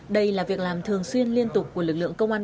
đây là việc làm thường xuyên liên tục của lực lượng công an